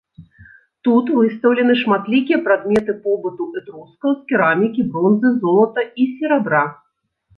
Тут выстаўлены шматлікія прадметы побыту этрускаў з керамікі, бронзы, золата і серабра.